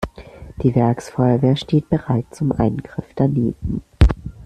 Die Werksfeuerwehr steht bereit zum Eingriff daneben.